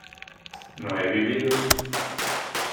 ¿no he vivido?